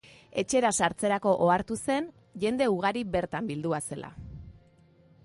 Etxera sartzerako ohartu zen jende ugari bertan bildua zela.